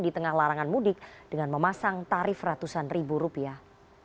di tengah larangan mudik dengan memasang tarif ratusan ribu rupiah